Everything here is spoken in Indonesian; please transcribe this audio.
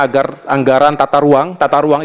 agar anggaran tata ruang tata ruang